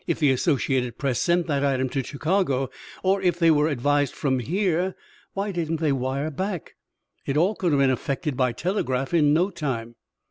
If the Associated Press sent that item to Chicago, or if they were advised from here, why didn't they wire back? It all could have been effected by telegraph in no time."